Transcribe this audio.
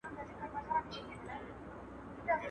په پردي وطن کي گوز واچوه، ځني ولاړ سه.